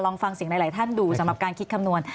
ลองฟังสิ่งหลายท่านดูสำหรับการคิดคำนวณ